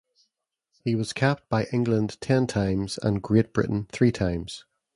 He was capped by England ten times and Great Britain three times.